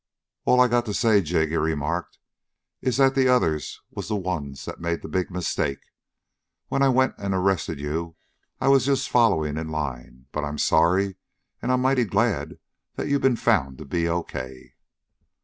"All I got to say, Jig," he remarked, "is that the others was the ones that made the big mistake. When I went and arrested you, I was just following in line. But I'm sorry, and I'm mighty glad that you been found to be O.K."